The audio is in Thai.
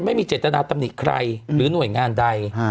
ไม่มีเจตนาตำหนิใครหรือหน่วยงานใด